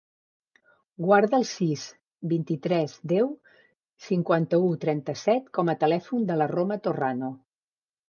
Guarda el sis, vint-i-tres, deu, cinquanta-u, trenta-set com a telèfon de la Roma Torrano.